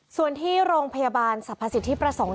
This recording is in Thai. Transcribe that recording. ส่วนที่โรงพยาบาลสรรพสิทธิประสงค์